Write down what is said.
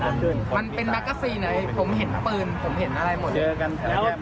มันเป็นแบลกาซีไหนผมเห็นปืนผมเห็นอะไรหมด